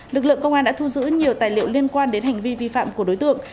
lực lượng công an đã thu giữ nhiều tài liệu liên quan đến hành vi vi phạm của đối tượng